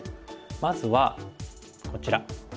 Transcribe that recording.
まずはこちら。